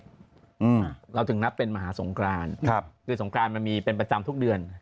อืมเราถึงนับเป็นมหาสงครานครับคือสงครานมันมีเป็นประจำทุกเดือน